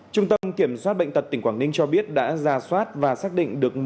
trung tâm kiểm soát bệnh tật tỉnh quảng ninh cho biết đã ra soát và xác định được